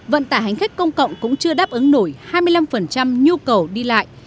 vận tải hành khách công cộng cũng chưa đáp ứng nổi hai mươi năm nhu cầu đi lại